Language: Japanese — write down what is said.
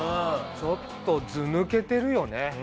ちょっとずぬけてるよね